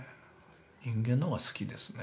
人間の方が好きですね。